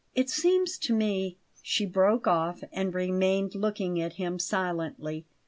"It seems to me " She broke off and remained looking at him silently.